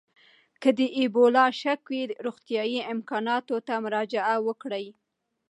که د اېبولا شک وي، روغتیايي امکاناتو ته مراجعه وکړئ.